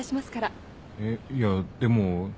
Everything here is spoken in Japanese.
えっいやでも。